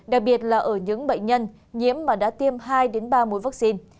đặc biệt là ở những bệnh nhân nhiễm mà đã tiêm hai ba mũi vaccine